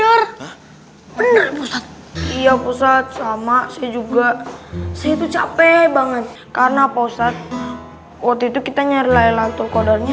bener bener iya pusat sama juga itu capek banget karena posat waktu itu kita nyari laylatul kodanya